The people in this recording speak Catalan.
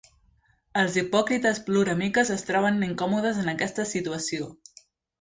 Els hipòcrites ploramiques es troben incòmodes en aquesta situació.